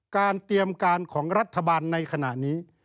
การเตรียมการของรัฐบาลในขณะนี้